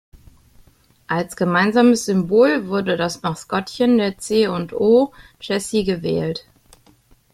Als gemeinsames Symbol wurde das Maskottchen der C&O Chessie gewählt.